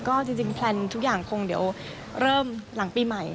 ก็จริงแพลนทุกอย่างคงเดี๋ยวเริ่มหลังปีใหม่